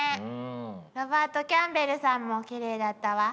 ロバート・キャンベルさんもきれいだったわ。